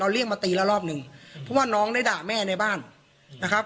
เรียกมาตีละรอบหนึ่งเพราะว่าน้องได้ด่าแม่ในบ้านนะครับ